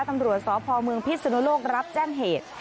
ตำรวจสพเมืองพิศนุโลกรับแจ้งเหตุ